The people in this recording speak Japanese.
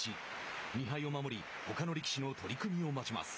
２敗を守りほかの力士の取組を待ちます。